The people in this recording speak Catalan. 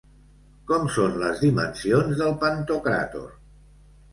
Com són les dimensions del Pantocràtor?